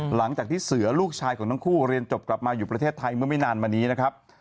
หลังจากที่เสือลูกชายของทั้งคู่เรียนจบกลับมาอยู่ประเทศไทยเมื่อไม่นานมานี้นะครับ